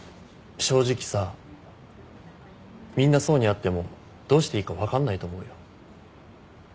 正直さみんな想に会ってもどうしていいか分かんないと思うよ。